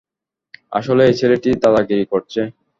আসলে, এই ছেলেটা দাদাগিরি করছে।